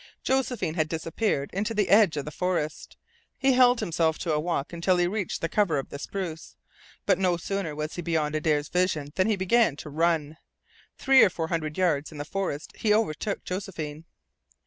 Josephine had disappeared into the edge of the forest. He held himself to a walk until he reached the cover of the spruce, but no sooner was he beyond Adare's vision than he began to run. Three or four hundred yards in the forest he overtook Josephine.